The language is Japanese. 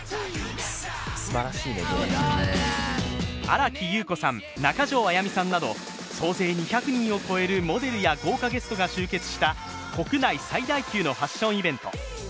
新木優子さん、中条あやみさんなど総勢２００人を超えるモデルや豪華ゲストが集結した国内最大級のファッションイベント。